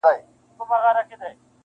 که هرڅو صاحب د علم او کمال یې,